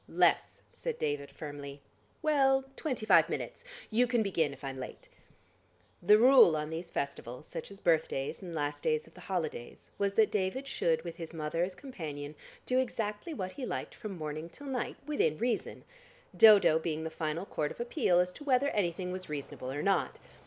"Less," said David firmly. "Well, twenty five minutes. You can begin if I'm late." The rule on these festivals, such as birthdays and last days of the holidays, was that David should, with his mother as companion, do exactly what he liked from morning till night within reason, Dodo being the final court of appeal as to whether anything was reasonable or not.